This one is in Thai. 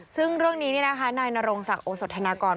ซึ่งเรื่องนี้นายนรงศักดิ์โอสธนากร